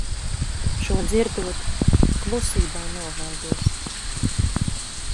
Šo dzirdot, klusībā novaidos...